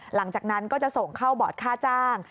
หลังจากนั้นก็จะส่งเข้าบอร์ดค่าจ้าง